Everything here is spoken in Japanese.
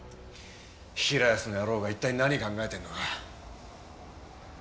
平安の野郎が一体何考えてんのか。